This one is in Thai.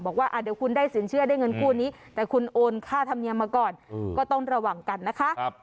บอกว่าเดี๋ยวคุณได้สินเชื่อได้เงินคู่นี้แต่คุณโอนค่าธรรมเนียมมาก่อนก็ต้องระวังกันนะคะ